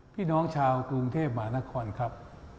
พี่น้องชาวกรุงเทพหมานครครับ